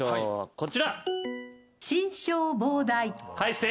こちら。